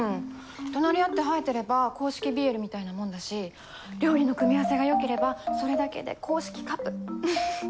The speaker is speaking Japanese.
隣り合って生えてれば公式ＢＬみたいなもんだし料理の組み合わせがよければそれだけで公式カプフフッ。